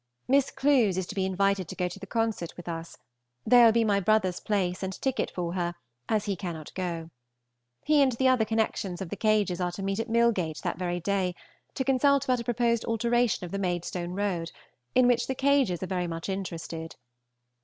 Miss Clewes is to be invited to go to the concert with us; there will be my brother's place and ticket for her, as he cannot go. He and the other connections of the Cages are to meet at Milgate that very day, to consult about a proposed alteration of the Maidstone road, in which the Cages are very much interested.